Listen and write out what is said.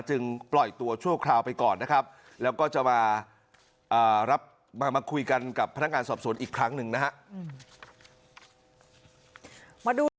ปล่อยตัวชั่วคราวไปก่อนนะครับแล้วก็จะมารับมาคุยกันกับพนักงานสอบสวนอีกครั้งหนึ่งนะฮะ